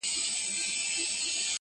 څوک وايي نر دی څوک وايي ښځه.!